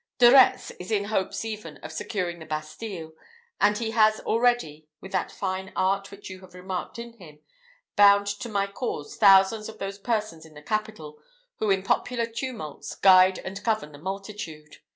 De Retz is in hopes even of securing the Bastile; and he has already, with that fine art which you have remarked in him, bound to my cause thousands of those persons in the capital who in popular tumults, guide and govern the multitude.